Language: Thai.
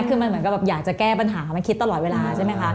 คือมันเหมือนกับแบบอยากจะแก้ปัญหามันคิดตลอดเวลาใช่ไหมคะ